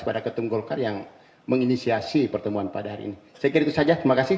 kepada ketumgolkar yang menginisiasi pertemuan pada hari ini sekian itu saja terima kasih